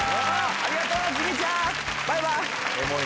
ありがとうきみちゃんバイバイ。